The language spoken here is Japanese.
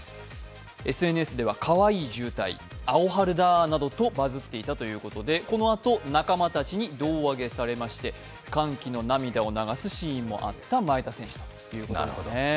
ＳＮＳでは、かわいい渋滞、アオハルだなどとバズっていたということで、このあと仲間たちに胴上げされまして歓喜の涙を流すシーンもあった前田選手ということですね。